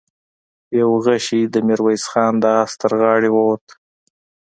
يو غشۍ د ميرويس خان د آس تر غاړې ووت.